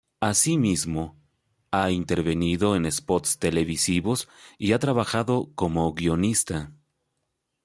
Asimismo, ha intervenido en spots televisivos y ha trabajado como guionista.